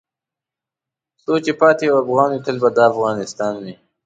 څو چې پاتې یو افغان وې تل به دا افغانستان وې .